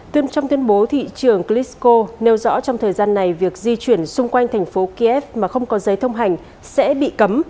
trong tuyên bố thị trưởng klitschko nêu rõ trong thời gian này việc di chuyển xung quanh thành phố kiev mà không có giấy thông hành sẽ bị cấm